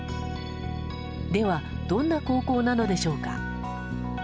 では、どんな高校なのでしょうか。